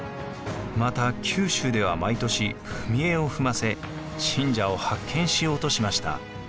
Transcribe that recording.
また九州では毎年踏絵を踏ませ信者を発見しようとしました。